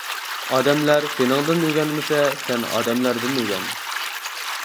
ئادەملەر سېنىڭدىن ئۆگەنمىسە، سەن ئادەملەردىن ئۆگەن.